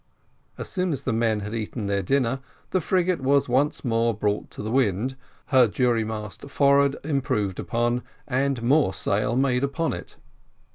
As soon as the men had eaten their dinner, the frigate was once more brought to the wind, her jury mast forward improved upon, and more sail made upon it.